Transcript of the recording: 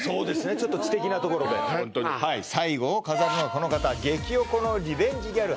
ちょっと知的なところではい最後を飾るのはこの方「激オコのリベンジギャル」